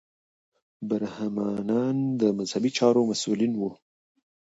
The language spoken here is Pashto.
برهمنان د مذهبي چارو مسوولین وو.